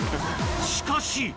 しかし。